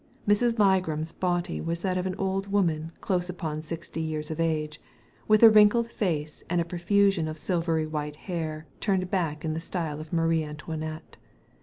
Miss Ligram's body was that of an old woman close upon sixty years of age, with a wrinkled face, and a profusion of silvery white hair turned back in the style of Marie Antoinette.